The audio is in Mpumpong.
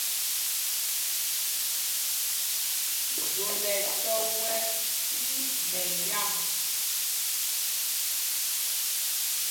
Zol ɛ tɔ́ wɛ tí mɛlyam ?